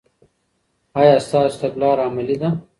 آیا ستاسو تګلاره عملي ده؟